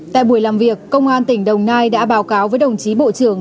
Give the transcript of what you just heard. tại buổi làm việc công an tỉnh đồng nai đã báo cáo với đồng chí bộ trưởng